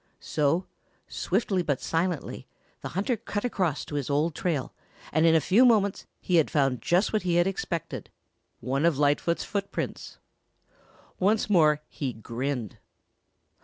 So, swiftly but silently, the hunter cut across to his old trail, and in a few moments he found just what he expected, one of Lightfoot's footprints. Once more he grinned.